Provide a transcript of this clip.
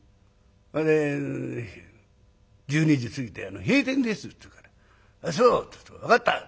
それで１２時過ぎて「閉店です」って言うから「そう分かった。